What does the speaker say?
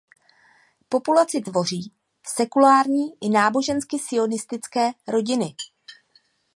Populaci tvoří sekulární i nábožensky sionistické rodiny.